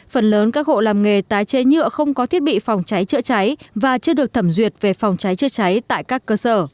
phần lớn các hộ làm nghề tái chế nhựa không có thiết bị phòng cháy chữa cháy và chưa được thẩm duyệt về phòng cháy chữa cháy tại các cơ sở